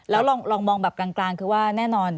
แล้วลองมองแบบกลางคือว่าแน่นอน